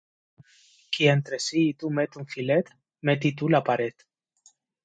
Qui entre si i tu met un filet, met-hi tu la paret.